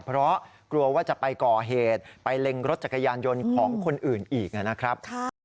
เพราะกลัวว่าจะไปก่อเหตุไปเล็งรถจักรยานยนต์ของคนอื่นอีกนะครับ